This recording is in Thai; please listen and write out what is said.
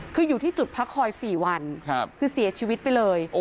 คืออยู่ที่จุดพักคอย๔วันคือเสียชีวิตไปเลย